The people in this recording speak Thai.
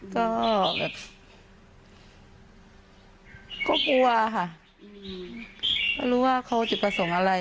ก็แบบก็กลัวค่ะก็รู้ว่าเขาจุดประสงค์อะไร